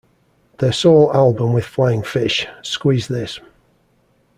Their sole album with Flying Fish, Squeeze This!